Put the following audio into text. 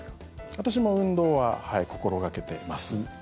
私も運動は心掛けてますよ。